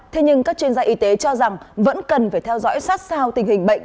thế nhưng các chuyên gia y tế cho rằng vẫn cần phải theo dõi sát sao tình hình bệnh